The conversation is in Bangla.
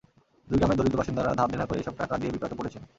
দুই গ্রামের দরিদ্র বাসিন্দারা ধারদেনা করে এসব টাকা দিয়ে বিপাকে পড়েছেন।